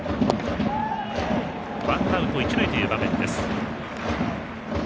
ワンアウト、一塁の場面です。